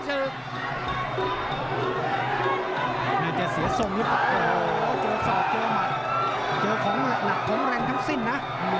เจอผมหลับผมแรงทั้งสิ้นนะ